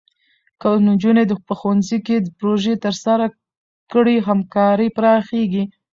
که نجونې په ښوونځي کې پروژې ترسره کړي، همکاري پراخېږي.